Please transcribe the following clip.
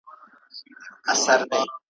په ارمان د پسرلي یو له خزانه تر خزانه ,